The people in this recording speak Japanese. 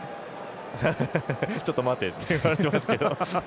ちょっと待てって言われてますけど。